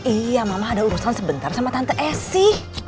iya mama ada urusan sebentar sama tante esi